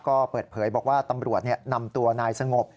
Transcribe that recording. ก็เปิดเผยบอกว่าตำรวจนำตัวนายสงบ